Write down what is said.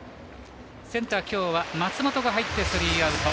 センターきょうは松本が入ってスリーアウト。